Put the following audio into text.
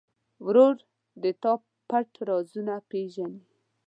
ورور د تا پټ رازونه پېژني.